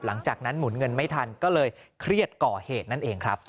หลังจากนั้นหมุนเงินไม่ทันก็เลยเครียดก่อเหตุนั่นเองครับ